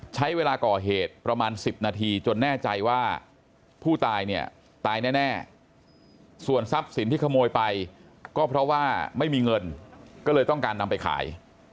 ใช้เวลาก่อเหตุประมาณ๑๐นาทีจนแน่ใจว่าผู้ตายเนี่ยตายแน่ส่วนทรัพย์สินที่ขโมยไปก็เพราะว่าไม่มีเงินก็เลยต้องการนำไปขาย